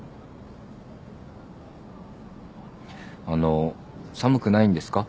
あの寒くないんですか？